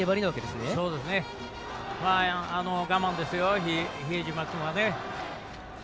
我慢ですよ、比江島君は。